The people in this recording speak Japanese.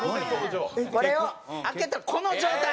これを開けたこの状態。